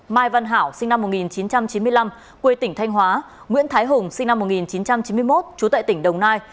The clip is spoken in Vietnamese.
mai văn hảo sinh năm một nghìn chín trăm chín mươi năm quê tỉnh thanh hóa nguyễn thái hùng sinh năm một nghìn chín trăm chín mươi một trú tại tỉnh đồng nai